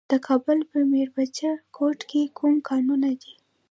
د کابل په میربچه کوټ کې کوم کانونه دي؟